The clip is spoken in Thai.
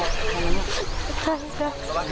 ไม่ต้องตอบประโยชน์